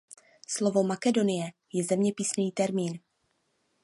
Slovo Makedonie je zeměpisný termín.